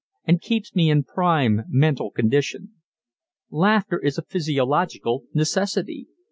and keeps me in prime mental condition. Laughter is a physiological necessity.